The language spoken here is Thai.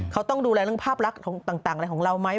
เขาต้องดูแลเรื่องภาพลักษณ์ต่างอะไรของเราไหม